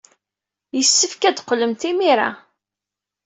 Yessefk ad teqqlemt imir-a.